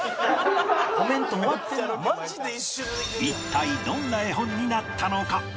一体どんな絵本になったのか？